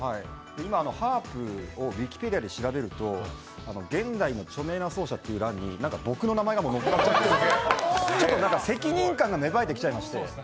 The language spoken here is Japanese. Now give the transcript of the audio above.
今、ハープをウィキペディアで調べると、現代の著名な奏者という欄に何か僕の名前が載っかっちゃってるんでちょっとなんかもう責任感が芽生えてきちゃいまして。